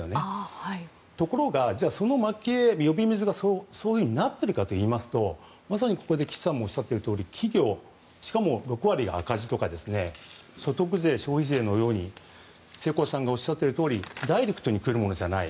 ところがそのまき餌、呼び水がそういうふうになっているかというとまさにここで岸さんもおっしゃっているように企業、しかも６割が赤字とか所得税消費税のように世耕さんがおっしゃっているようにダイレクトに来るものじゃない。